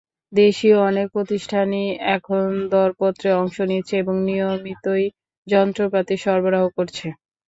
দেশীয় অনেক প্রতিষ্ঠানই এখন দরপত্রে অংশ নিচ্ছে এবং নিয়মিতই যন্ত্রপাতি সরবরাহ করছে।